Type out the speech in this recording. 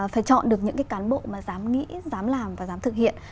phải chọn được những cái cán bộ mà dám nghĩ dám làm và dám thực hiện